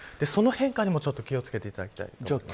その変化にも気を付けていただきたい。